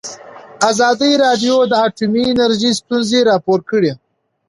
ازادي راډیو د اټومي انرژي ستونزې راپور کړي.